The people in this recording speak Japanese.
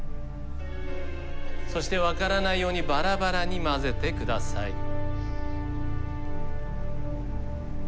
そして分からないようにばらばらに交ぜてください。